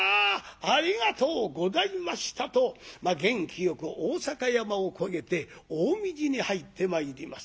ありがとうございました」と元気よく逢坂山を越えて近江路に入ってまいります。